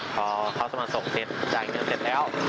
พอเขาสวดศพเสร็จจ่ายเงินเสร็จแล้ว